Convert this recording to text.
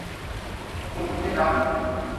กลุ่มที่ได้รับอยู่แล้ว